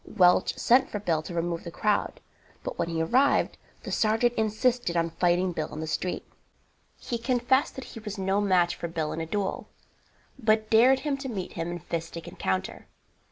Welch sent for Bill to remove the crowd, but when he arrived the sergeant insisted on fighting Bill in the street. He confessed that he was no match for Bill in a duel, but dared him to meet him in fistic encounter.